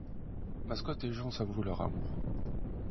Mascotte et Jean s'avouent leur amour.